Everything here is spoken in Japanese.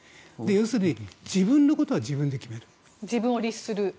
要する自分のことは自分で決める。